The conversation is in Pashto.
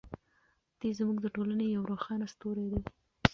دی زموږ د ټولنې یو روښانه ستوری دی.